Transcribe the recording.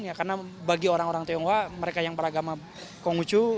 ya karena bagi orang orang tionghoa mereka yang beragama kongucu